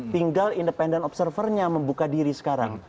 tinggal independent observernya membuka diri sekarang